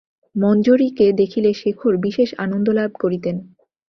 মঞ্জরীকে দেখিলে শেখর বিশেষ আনন্দলাভ করিতেন।